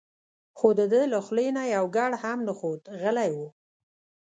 خو دده له خولې نه یو ګړ هم نه خوت غلی و.